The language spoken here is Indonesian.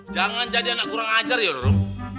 jangan jadi anak kurang ajar ya dorong